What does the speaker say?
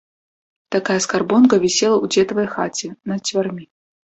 Такая скарбонка вісела ў дзедавай хаце над дзвярмі.